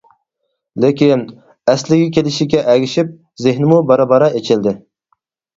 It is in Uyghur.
لېكىن، ئەسلىگە كېلىشىگە ئەگىشىپ زېھنىمۇ بارا-بارا ئېچىلدى.